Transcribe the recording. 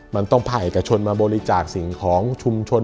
มันต้องภาคเอกชนมาบริจาคสิ่งของชุมชน